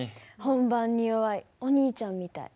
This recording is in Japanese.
本番に弱いお兄ちゃんみたい。